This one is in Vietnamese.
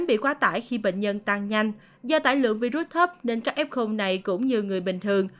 bị quá tải khi bệnh nhân tăng nhanh do tải lượng virus thấp nên các f này cũng như người bình thường